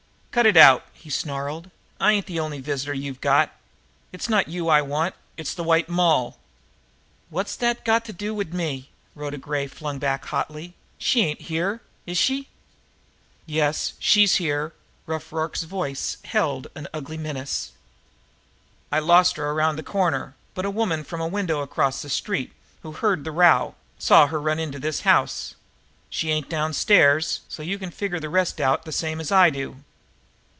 "Cut it out!" he snarled. "I ain't the only visitor you've got! It's not you I want; it's the White Moll." "Wot's dat got to do wid me?" Rhoda Gray flung back hotly. "She ain't here, is she?" "Yes, she's here!" Rough Rorke's voice held an ugly menace. "I lost her around the corner, but a woman from a window across the street, who heard the row, saw her run into this house. She ain't downstairs so you can figure the rest out the same way I do."